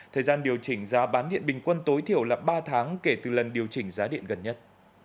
thời gian điều chỉnh giá bán điện bình quân tối thiểu là ba tháng kể từ lần điều chỉnh giá điện gần nhất